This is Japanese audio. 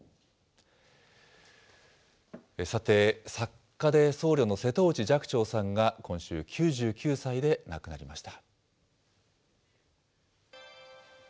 さて、作家で僧侶の瀬戸内寂聴さんが、今週、９９歳で亡くなりました。